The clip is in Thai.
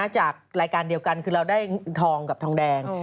จากรายการเดียวกันคือเราได้ทองกับทองแดง